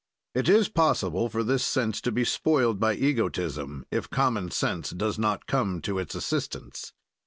It is possible for this sense to be spoiled by egotism, if common sense does not come to its assistance.